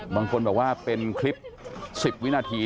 บางคนบอกว่าเป็นคลิป๑๐วินาที